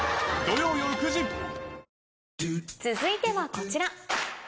続いてはこちら。